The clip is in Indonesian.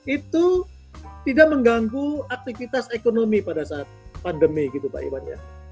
itu tidak mengganggu aktivitas ekonomi pada saat pandemi gitu pak iwan ya